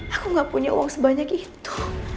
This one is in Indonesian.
aku gak punya uang sebanyak itu